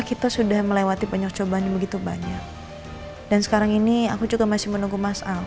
kita sudah melewati banyak cobaan yang begitu banyak dan sekarang ini aku juga masih menunggu mas al